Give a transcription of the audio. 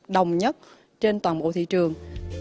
đồng nhất trên toàn bộ thị trường